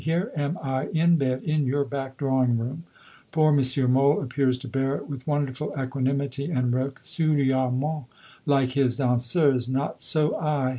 Here am I in bed in your back drawing room. Poor M. Mohl appears to bear it with wonderful equanimity and recueillement, like his danseuse. Not so I.